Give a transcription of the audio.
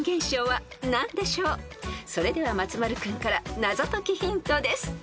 ［それでは松丸君から謎解きヒントです］